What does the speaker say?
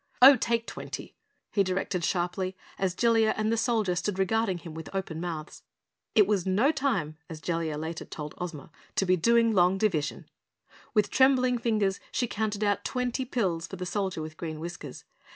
"Oh, take twenty!" he directed sharply, as Jellia and the Soldier stood regarding him with open mouths. It was no time, as Jellia later told Ozma, to be doing long divisions. With trembling fingers she counted out twenty pills for the Soldier with Green Whiskers.